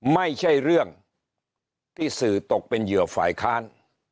ไม่ใช่เรื่องที่สื่อตกเป็นเหยื่อฝ่ายค้าน